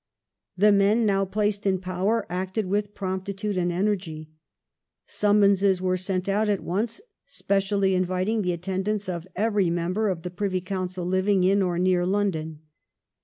The men now placed in power acted with promptitude and energy. Summonses were sent out at once specially inviting the attendance of every member of the Privy Council living in or near London.